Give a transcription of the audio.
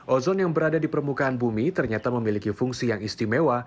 ozon yang berada di permukaan bumi ternyata memiliki fungsi yang istimewa